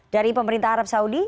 dari pemerintah arab saudi